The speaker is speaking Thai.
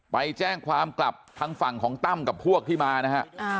ไปแจ้งความกลับทางฝั่งของตั้มกับพวกที่มานะฮะ